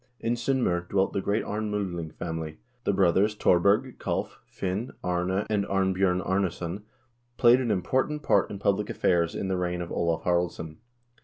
In S0ndm0r dwelt the great Arnm0dling family. The brothers Thor berg, Kalv, Finn, Arne, and Arnbj0rn Arnesson played an important part in public affairs in the reign of Olav Haraldsson.